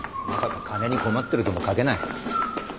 まさか金に困ってるとも書けない。